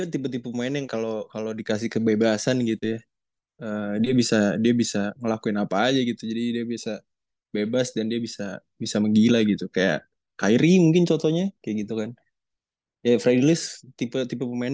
juan kaleb juga satu tipe